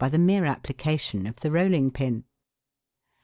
the mere application of the rolling pin.